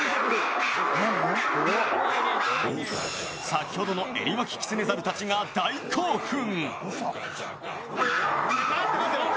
先ほどのエリマキキツネザルたちが大興奮。